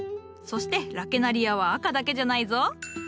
そしてラケナリアは赤だけじゃないぞ。